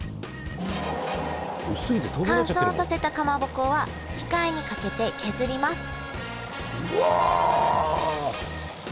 乾燥させたかまぼこは機械にかけて削りますうわ。